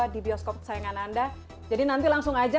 di bioskop kesayangan anda jadi nanti langsung aja